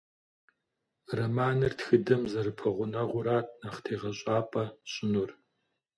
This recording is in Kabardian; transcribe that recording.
Романыр тхыдэм зэрыпэгъунэгъурат нэхъ тегъэщӏапӏэ сщӏынур.